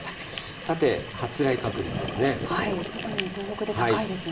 さて、発雷確率ですね。